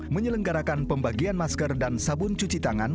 menyelenggarakan pembagian masker dan sabun cuci tangan